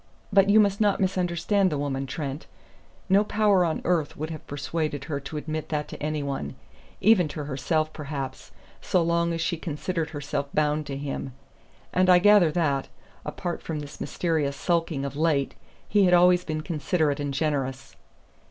But you must not misunderstand the woman, Trent. No power on earth would have persuaded her to admit that to any one even to herself, perhaps so long as she considered herself bound to him. And I gather that, apart from this mysterious sulking of late, he had always been considerate and generous."